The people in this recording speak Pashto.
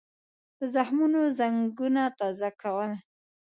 د زخمونو زنګونه تازه کول.